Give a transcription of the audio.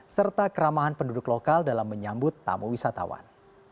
serta keramahan penduduk lokal dalam menyambut tamu wisatawan